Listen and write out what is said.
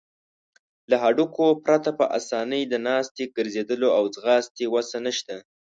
له هډوکو پرته په آسانۍ د ناستې، ګرځیدلو او ځغاستې وسه نشته.